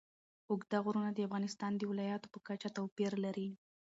اوږده غرونه د افغانستان د ولایاتو په کچه توپیر لري.